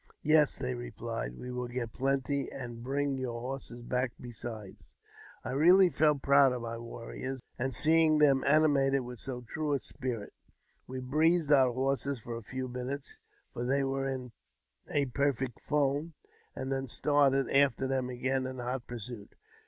" Yes," they replied, '* Vv^e will get plenty, and bring your j horses back besides." ^ I really felt proud of my warriors in seeing them animated! with so true a spirit. We breathed our horses for a few minutes, for they were in a perfect foam, and then started after them again in hot pursuit.